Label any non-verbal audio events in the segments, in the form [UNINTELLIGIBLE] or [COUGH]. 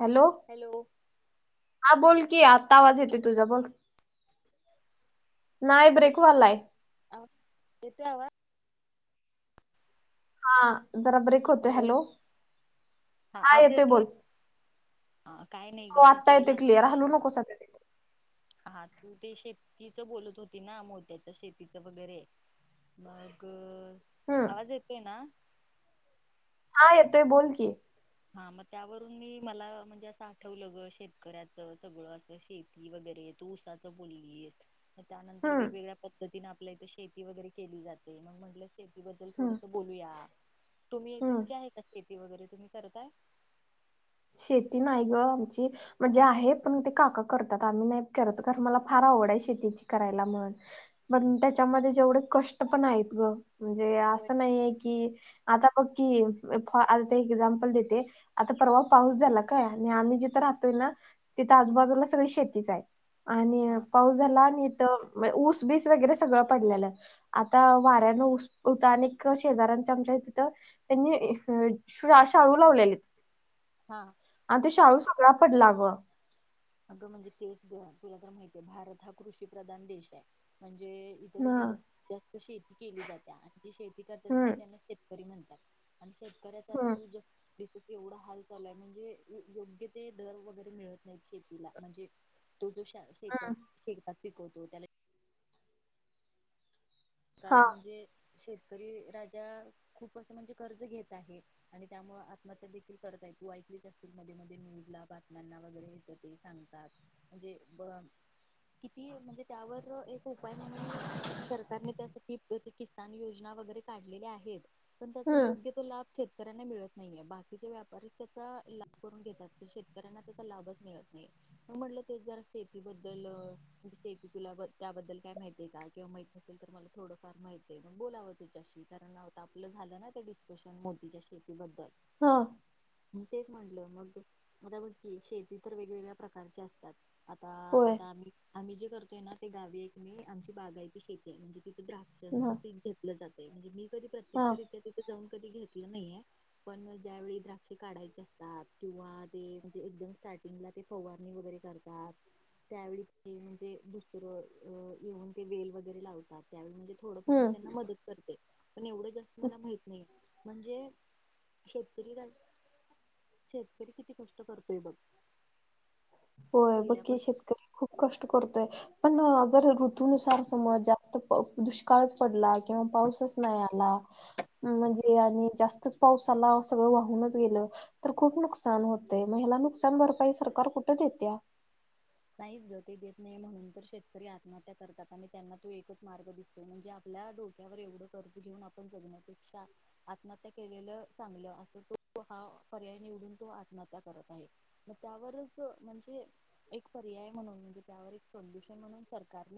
Hello हा बोल. आता आवाज येते? तुझा बोल नाही ब्रेकवालाय. अ येतो आवाज हा जरा ब्रेक होतोय. हॅलो हा काय आवाज येतोय बोल हा काय नाही हो ग आत्ता येतो तुला क्लिअर हलू नकोस. हा तू ते शेतीच बोलत होती. ना मोत्याच शेतीच वगैरे- बग हम्म आवाज येतय ना? हा येतोय बोल की. हा मग त्यावरून मी मला म्हणजे असं आठवलं ग शेतकऱ्याच सगळं अस शेती वगैरे. तू उसाच बोललीस. त्यानंतर हम्म वेगवेगळ्या पद्धतीने आपल्या इथे शेती वगैरे केली जाते. मग म्हटलं शेती बद्दल हम्म थोडस बोलू या तुम्ही हम्म तुमची आहे का? शेती वगैरे तुम्ही. करताय. शेती नाही ग आमची म्हणजे आहे पण ते काका करतात. आम्ही नाही करत कारण मला फार आवडा आहे शेतीची करायला म्हणून मग त्याच्यामध्ये जेवढे कष्ट पण आहेत ग. म्हणजे होय असं नाहीये की- आता बघ की फ आ एक एक्झाम्पल देते आता परवा- पाऊस झाला काय आणि आम्ही जिथे राहतोय ना तिथं आजूबाजूला सगळी शेतीच आहे. आणि हा पाऊस झाला आणि ऊस बीस वगैरे सगळ पडलेले आता वाऱ्यांना ऊस अनेक शेजारात. तिथं त्यांनी अशा शाळू लावलेली. हा आता शाळू सगळा पडला व. अगं म्हणजे तेच ग तुला तर माहितीय भारत हा कृषी प्रधान देश आहे. ये इथ को ह जात शेती केली जाते. आणि जी शेती करतात हम्म त्यांना श री म्हणतात. आणि शेतकऱ्याचा आ हम्म तुझं एवढा हाल चालूय म्हणजे योग्य ते दर वगैरे मिळत नाही. शेती तीला म्हणजे तो जो शेत हम्म शेतात शिकवतो. त्याला- हा काल म्हणजे शेत शेतकरी राजा खूप असं म्हणजे कर्ज घेत आहे. आणि त्यामुळे आत्महत्या देखील करताय. असतील मध्ये मध्ये न्यूडला बातम्यांना वगैरे येत ते सांगतात. म्हणजे किती म्हणजे त्यावर एक उपाय म्हणून सरकारने त्या किसान योजना वगैरे काढलेल्या आहेत. पण त्याचा हम्म योग्य तो लाभ शेत शेतकऱ्यांना मिळत नाही आहे. बाकीचे व्यापारीच त्याचा लाभ करून घेतात तर शेतकऱ्यांना त्याचा लाभच मिळत नाही. म्हटलं ते जरा शेती बद्दल शेती तुला त्याबद्दल काय माहितीय का? किंवा माहिती असेल तर मला थोडंफार माहिती आहे मण बोलावं तिच्याशी कारण आता आपलं झालं ना ते डिस्कशन मोदीच्या शेतीबद्दल. हा. मी तेच म्हंटलं मग आता बग की शेती तर वेगवेगळ्या प्रकारच्या असतात. आता होय आता आम्ही आम्ही जे करतोय ना ते गावी एक मी आमची बागायती शेती आहे म्हणजे. ह द्राक्षणच पीक घेतलं जाते म्हणजे मी कधी हा. प्रत्यक्षरित्या तिथे जाऊन कधी घेतलं नाहीये. पण ज्यावेळी द्राक्ष काढायचे असतात किंवा ते म्हणजे एकदम स्टार्टिंगला ते फवारणी वगैरे शेती करतात त्यावेळी ते म्हणजे दुसरं येऊन ते वेल वगैरे लावतात. त्यावेळी म्हणजे थोडंफार मी हम्म त्यांना मदत करते पण एवढं जास्त मला माहत नाही. म्हणजे शेतकरी राजा शेतकरी किती कष्ट करतोय बग. होय बकी शेतकरी खूप कष्ट कर तोय पण जर ऋतनुसार समज जास्त दुष्काळच पडला किंवा पाऊसच नाही आला म्हणजे आणि ज्यास्त पाऊस आला सगळं वाहूनच गेलं तर खूप नुकसान होतय मग हेला नुकसान भरपाई सरकार कुठे देत्या. नाही ग देत नाही म्हणून तर शेतकरी आत्महत्या करतात, आणि त्यांना तो एकच मार्ग दिसतो म्हणजे आपल्या डो क्यावर एवढं कर्ज घेऊन आपण जगण्यापेक्षा आत्महत्या केलेलं चांगलं अस तो हा? पर्याय निवडून तो आत्महत्या करत आहे मग त्यावरच म्हणजे एक पर्याय म्हणून म्हणे त्या सोल्युशन म्हणून सरकार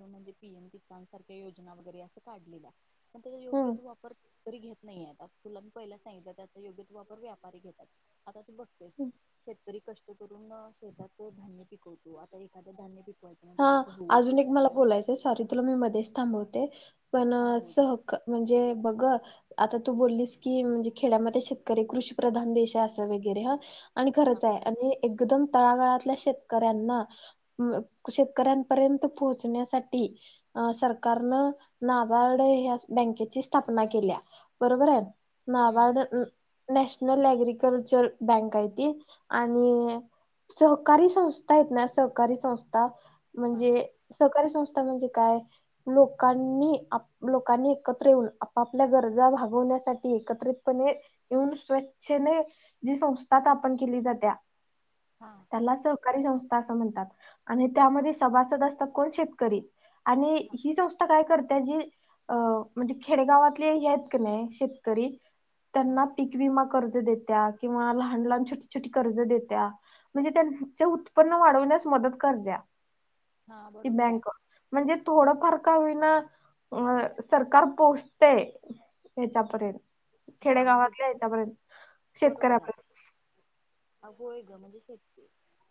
म्हणजे पीएम किसान सारख्या योजना. वगैरे आस काढलेल्या पण त्याचा योग्य तो हम्म वापर शेतकरी घेत नाही आस तुला मी पहिलाच सांगिल योग्य तो वापर व्यापारी घेतात आता तू बघत्यास शेतकरी तरी कष्ट करून शेतात धान्य पिकवतो आता एक हा अजून एक मला ज्वारी बोलायचं, सॉरी तुला मी मध्येच थांबवते. पण हा बोल सह म्हणजे बघ. आता तू बोललीस की म्हणजे खेड्यामध्ये शेतकरी कृषी प्रधान देश आहे असं वगैरे ह. आणि हा खरच आहे आणि एकदम तळागळातल्या शेतकऱ्यांना शेतकऱ्यांपर्यंत पोहोचण्यासाठी सरकारन नाभार्ड ह्याच बँकेची स्थापना केल्या बरोबर आहे. हम्म. NABARD national agriculture bank आहे ती आणि सहकारी संस्था आहेत ना सहकारी संस्था हा म्हणजे सहकारी संस्था म्हणजे काय लोकांनी लोकांनी एकत्र ययेऊन आपआपल्या गरजा भागाव ण्यासाठी एकत्रितपणे येऊन स्वइच्छेने जी संस्था स्थापन केली जात्या हा त्याला सहकारी संस्था अस म्हणतात आणि हा त्यामध्ये सभासद असतात. कोण शेतकरीचं आणि हा ही संस्था काय कर त्या जी म्हणजे खेडेगावातले हे आहेत का नाही शेतकरी हा त्यांना पिकवी मग कर्ज देत्या किंवा लहान लहान, छोटी छोटी कर्ज देत्या. म्हणजे त्यांचं उत्पन्न वाढवण्यास मदत करत्या. हा ती बरोबर बँक आहे म्हणजे थोडं फार का होईना. अ सरकार पोहोचतेय हेच्यापर्यंत. हा म्हणजे खेडेगावातल्या हच्यापर्यंत, शेतकऱ्यापर्यंत. अ होय ग म्हणजे शेत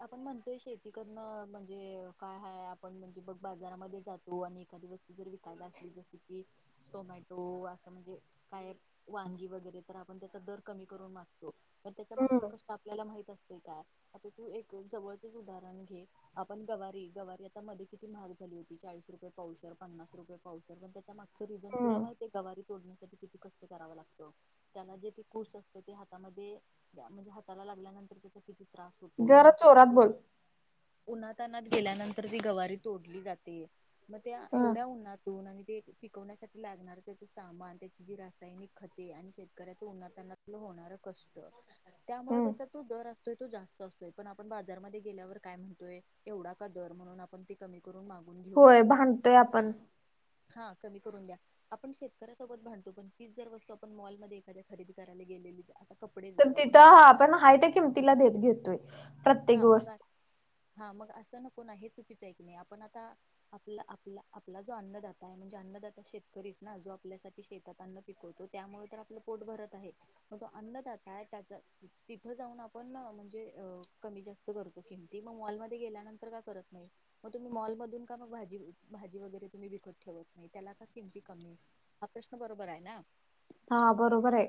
आपण म्हणतोय शेती करणं म्हणजे काय हाय आपण म्हणजे बघ बाजारामध्ये जातो आणि एखादी वस्तू जर विकायला असली जस की टोमॅटो असं म्हणजे काय वांगी वगैरे तर आपण त्याचा दर कमी करून मागतो तर त्याच्या मागच हम्म कष्ट आपल्याला माहित असत. हो का आता तू एक जवळचच उदाहरण घे आपण गवारी गवारी आता मध्ये किती महाग झाली. होती चाळीस रुपये पावशेर, पन्नास रुपये पावशेर. मागं रिझन तुला हम्म माहित आहे गवारी तोडण्यासाठी किती कष्ट कराव लागत त्याला जे कूस असत ते हातामध्ये म्हणजे हाताला लागल्यानंतर त्रास होतो. जरा जोरात उन्हातान्हाचे बोल उन्हातानात गेल्यानंतर ती गवारी तोडली जाते मग त्या ह एवढ्या उन्हातून आणि ते पिकवण्यासाठी लागणार त्याच सामान त्याची जि दैनिक खते आणि शेतकऱ्याच उन्हात्हाणात होणारं कष्ट त्यामुळे हम्म त्याचा तो दर असतोय तो जास्त असतोय पण आपण बाजारमध्ये गेल्यावर काय म्हणतोय एवढा का दर म्हणून आपण ते कमी करून मागून घेऊन होय येतो. भांडतोय आपण हा कमी करून द्या, आपण शेतकऱ्यासोबत भांडतो पण तीच जर वस्तू आपण मॉलमध्ये एखाद्या खरेदी करायला गेलेली आता कपडेच तर बघ आपण तिथं मॉल आपण हाय त्या किमतीला देत घेतोय. हा प्रत्येक मग वस्तू हा मग असं न पुन्हा हे चुकीचं ये की नाही आपण आता आपला आप आपला जो अन्नदाता आहे म्हणजे अन्नदाता शेतकरी जो आपल्यासाठी शेतात अन्न पिकवतो त्यामुळे तर आपलं पोट भरत आहे, मग तो अन्नदाता आहे मग तिथं जाऊन आपण ना म्हणजे अ कमी जास्त करतो किमती मग मॉलमध्येध्ये गेल्यानंतर का करत नाही, मग तुम्ही मॉलमधून का मग भाजी भाजी वगैरे तुम्ही विकत ठेवत नाही त्याला का किमती कमी हा प्रश्न बरोबर आहे ना! हा बरोबर ये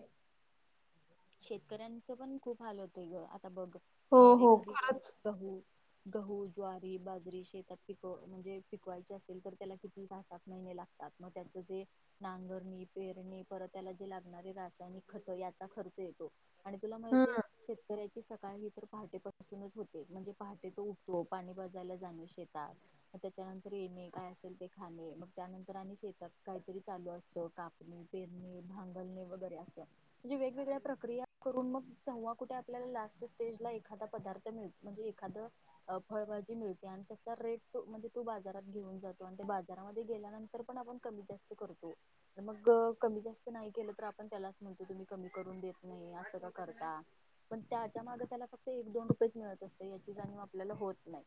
शेतकऱ्यांच पण खूप हाल होतेय ग आता बघ हो अ हो एखादी खरंच गहू गहू ज्वारी बाजरी शेतात पिक म्हणजे पिकवायची असेल तर त्याला किती सहा सात महिने लागतात मग त्याचं जे नांगरणी पेरणी परत त्याला जे लागणारे रासायनिक खत याचा खर्च येतो आणि तुला माहीती ये हम्म शेतकऱ्यांची ही सकाळ ही तर पहाटेपासूनच होते म्हणजे पहाटे तो उठतो पाणी पाजायला जाणे शेतात मग त्याच्यानंतर येणे, काय असेल ते खाणे, मग त्यानंतर आणि शेतात काहीतरी चालू असतं कापणी पेरणी भांगलणे वगैरे असं म्हणजे वेगवेगळ्या प्रक्रिया करून मग तेव्हा कुठे आपल्याला लास्ट स्टेज ला एखादा पदार्थ मिळ म्हणजे एखाद फळभाजी मिळते आणि त्याचा रेट त म्हणजे तो बाजारात घेऊन जातो आणि ते बाजारामध्ये गेल्यानंतर पण मग कमी-जास्त करतो मग कमी-जास्त नाही केलं तर आपण त्यालाच म्हणतो तु कमी करून नाही असं का करता पण त्याच्या माग त्याला फक्त एक दोन रुपयेच मिळत असते याची जाणीव आपल्याला होत नाही.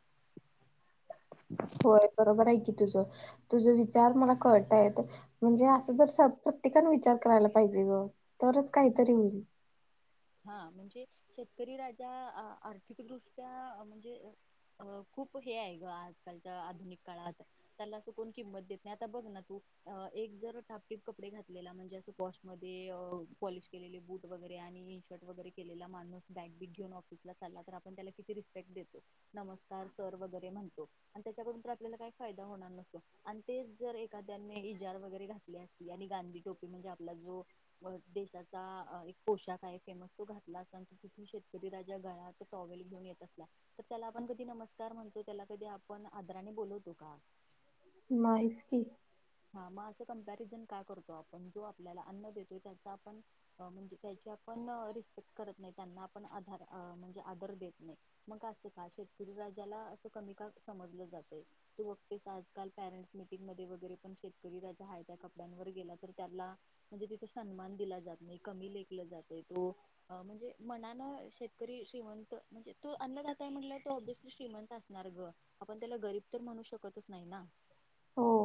होय बरोबर आहे की तुझं तुझं विचार मला कळतायेत म्हणजे असं जर प्रत्येकान विचार करायला पाहिजे. ग तरच काहीतरी होईल [INAUDIBLE] हा म्हणजे शेतकरी राजा आर्थिकदृष्ट्या म्हणजे अ खूप हे आहे ग आजकालच्या आधुनिक काळात त्याला असं कोण किंमत देत नाही आता बघ ना तू अ एक जर टापटीप कपडे घातलेला म्हणजे असं पोश मध्ये पॉलिश केलेले बूट वगैरे आणि इनशटर्ट वगैरे केलेला माणुस बॅग बिग घेऊन ऑफिसला चालला तर आपण त्याला किती रिस्पेक्ट देतो, नमस्कार वगैरे म्हणतो आणि त्यांच्याकडून आपल्याला काही फायदा होणार नसतो, आणि तेच जर एखाद्याने इजा वगैरे घातली असली आणि गांधी टोपी म्हणजे आपला जो देशाचा एक पोशाख आहे मग तो घातला असतां तिथं ती शेतकरी राजा गळ्यात टाॅवेल घेऊन येत असला तर त्याला आपण कधी नमस्कार म्हणतो त्याला कधी आपण आदराने बोलवतो का? नाहीच की हा मग असं कंपॅरिझन का करतो आपण जो आपल्याला अन्न देतो त्याचा आपण म्हणजे त्याची पण रिस्पेक्ट करत नाही त्यांना आपण आधार म्हणजे आदर देत नाही, मग असं का शेतकरी राजाला असं कमी का समजल जातंय तू बघतेस आजकाल पॅरेंट्स मीटिंगमध्ये वगैरे शेतकरी राजा हाय त्या कपड्यांवर गेला तर, त्याला म्हणजे तिथं सन्मान दिला जात नाही कमी लेखल जातंय तो म्हणजे मनान शेतकरी श्रीमंत म्हणजे तो अन्नदाता ये म्हटल्यावर तिचं श्रीमंत असणार ग आपण त्याला गरीब तर म्हणू शकतच नाही ना! हो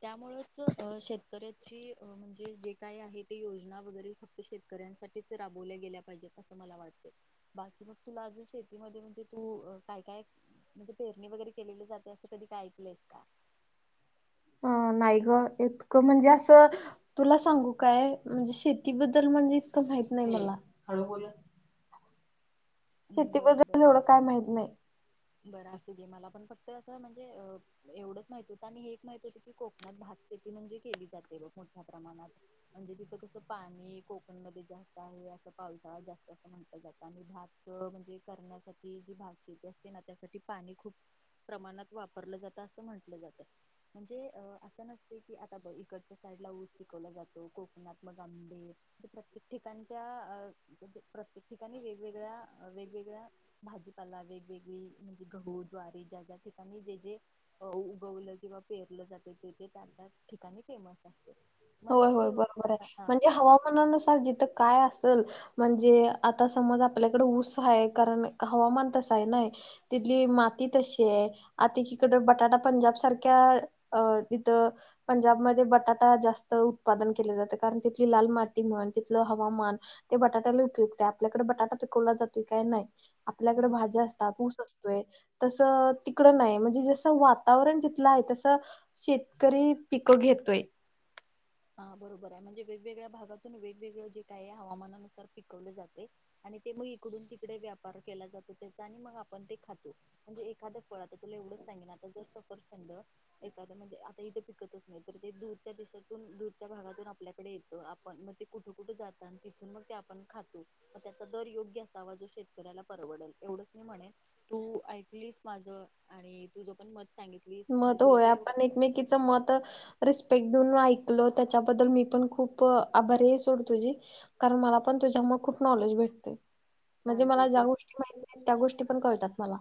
त्यामुळेच अ शेतकऱ्याची म्हणजे जे काय आहे ते योजना वगैरे शेतकऱ्यांसाठीच राबवल्या गेल्या पाहिजेत असं मला वाटतंय बाकी मग तुला अजून शेतीमध्ये तू काय काय म्हणजे पेरणी वगैरे केलेली जाते असं कधी काय ऐकलंस का? अ [INAUDIBLE] नाही ग इतकं म्हणजे असं तुला सांगू काय म्हणजे शेतीबद्दल म्हणजे इतकं माहीत नाही मला हळूबोल शेती बरं बर बद्दल एवढं काय माहीत नाही. बरं असत ते मला पण फक्त असं म्हणजे एवढंच माहित होतं आणि हे एक माहित होत की कोकणात भात- शेती म्हणजे केली जाते, मोठ्या प्रमाणात म्हणजे तिथं कसं पाणी कोकणमध्ये जास्त आहे. अस पावसाळा जास्त अस म्हटलं जायाच आणि भात म्हणजे करण्यासाठी जी भाजी असते ना, त्यासाठी पाणी खूप प्रमाणात वापरलं जातात. असे म्हटलं जात म्हणजे - नसते की, आता बघ इकडच्या साईडला ऊस पिकवला जातो, कोकणात मग आम्ही प्रत्येक ठिकाणच्या अ-तसे प्रत्येक ठिकाणी वेगवेगळ्या वेगवेगळा भाजीपाला, वेगवेगळी म्हणजे गहू, ज्वारी, ज्या ज्या ठिकाणी जे जे उगवलं किंवा पेरलं जातं, ते-ते त्या-त्या ठिकाणी फेमस असतं, मला होय फक्त होय एवढं बरोबर सांगा म्हणजे, हवामानानुसार जिथं काय असल, म्हणजे आता समज, आपल्याकडं ऊस हाय, कारण, हवामान तसं आहे ना, तिथली माती तशी आहे. आता इकडं बटाटा पंजाब सारख्या, अ-तिथं पंजाबमध्ये बटाटा जास्त उत्पादन केलं जातं, कारण तिथली लाल माती म्हण, तिथलं हवामान ते बटाट्याला उपयुक्त आहे. आपल्याकडं बटाटा पिकवला जातोय काय? नाही. हा आपल्याकडे भाज्या असतात. ऊस असतोय, तसं तिकडं नाही, म्हणजे जसं वातावरण जिथलं आहे, तसं शेतकरी पिकं घेतोय. [UNINTELLIGIBLE] हा बरोबर आहे, म्हणजे वेगवेगळ्या भागातून वेगवेगळं जे काय हवामानानुसार पिकवलं जातय आणि ते- मग इकडून तिकडे व्यापार केला जातो त्याचा आणि मग आपण ते खातो, म्हणजे एखादं फळ, आता तुला एवढं सांगीन, आता जर सफारचंद, एखादं म्हणजे आता इथे पिकतच नाही, तर ते दूरच्या देशात- दूरच्या भागातून आपल्याकडे येतं, आपण मग ते कुठं कुठं जातं, तिथून मग ते आपण खातो. दर योग्य असावा, जो शेतकऱ्याला परवडेल एवढंच मी म्हणेन, तू ऐकलीस माझं आणि तुझं पण मत सांगितलीस म्हणजे मत, तुला होय, काय आपण एकमेकीचं मत रिस- एक-दोन वेळा ऐकलं, त्याच्याबद्दल मी पण खूप आभारी आहे सोड तुझी, कारण मला पण तुझ्या खूप नॉलेज भेटतय. म्हणजे चालते मला चल ज्या गोष्टी माहिती नाहीत, त्या गोष्टी पण कळतात मला.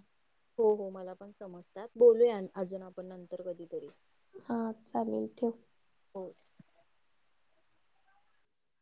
हो हो मला पण समजतात बोलूया अन-अजून आपण नंतर कधीतरी. हा, चालेल ठेव. हो